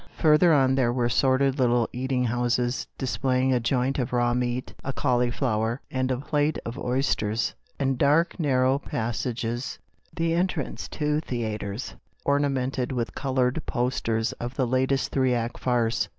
Further on there were sordid little eating houses displaying a joint of raw meat, a cauliflower, and a plate of oysters ; and dark, narrow passages — the entrances to theatres — TWO ULTIMATUMS. 219 ornamented with coloured posters of the latest three act farce.